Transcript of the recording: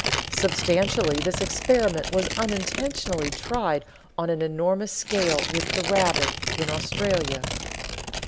Substantially this experiment was unintentionally tried on an enormous scale with the rabbit in Australia.